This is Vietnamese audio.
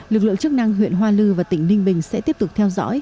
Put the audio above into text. lực lượng chức năng huyện hoa lư và tỉnh ninh bình sẽ tiếp tục theo dõi